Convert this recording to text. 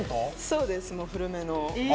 そうです、古めの。